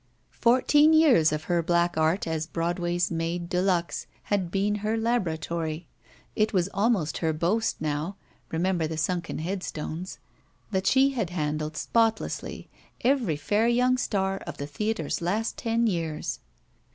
Fourteen years of her black art as Broadway's maid de luxe had been her laboratory. It was almost her boast now — ^remember the sunken headstones — that she had handled spotlesisly every fair yoimg star of the theaters* last ten years.